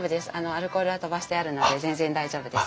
アルコールは飛ばしてあるので全然大丈夫ですよ。